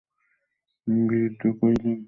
বৃদ্ধ কহিলেন, আমাকে মাপ করিবেন রমেশবাবু।